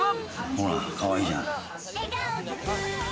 ほら、かわいいじゃない！